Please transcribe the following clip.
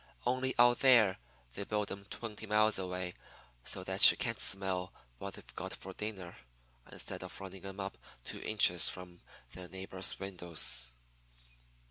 Only out there they build 'em twenty miles away so you can't smell what they've got for dinner, instead of running 'em up two inches from their neighbors' windows.